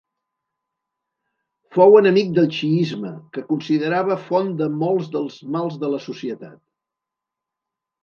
Fou enemic del xiisme, que considerava font de molts del mal de la societat.